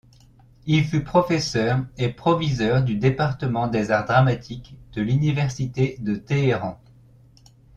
Il fut professeur et proviseur du département des arts dramatiques de l'Université de Téhéran.